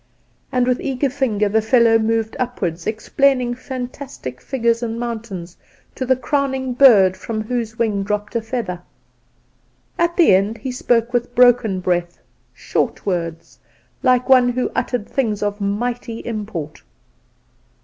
and with eager finger the fellow moved upward, explaining over fantastic figures and mountains, to the crowning bird from whose wing dropped a feather. At the end he spoke with broken breath short words, like one who utters things of mighty import.